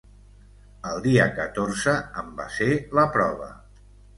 El dia catorze en va ser la prova.